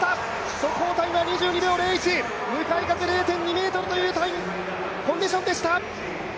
速報タイムは２２秒０１、向かい風は０．２メートルというコンディションでした。